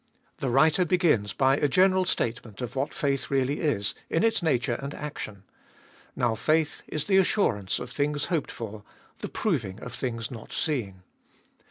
The writer begins by a general statement of what faith really is in its nature and action. Now faith is the assurance of things hoped for, the proving of things not seen.